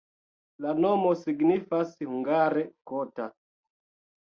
La nomo signifas hungare kota.